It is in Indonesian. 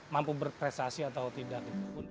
mampu berprestasi atau tidak